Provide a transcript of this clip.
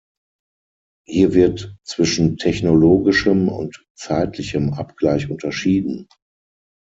Hier wird zwischen technologischem und zeitlichem Abgleich unterschieden.